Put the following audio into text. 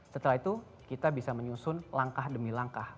setelah itu kita bisa menyusun langkah demi langkah